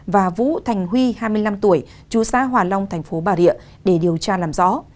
và vũ thành huy hai mươi năm tuổi chú xã hòa long thành phố bà rịa để điều tra làm rõ